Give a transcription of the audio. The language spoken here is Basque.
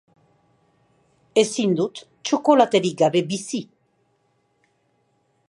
Ezin dut txokolaterik gabe bizi.